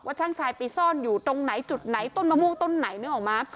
ช่างชายไปซ่อนอยู่ตรงไหนจุดไหนต้นมะม่วงต้นไหนนึกออกมา